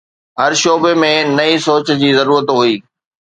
هر شعبي ۾ نئين سوچ جي ضرورت هئي.